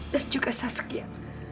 dan juga saskia